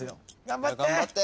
頑張って！